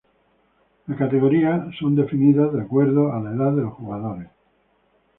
Las categorías son definidas de acuerdo a la edad de los jugadores.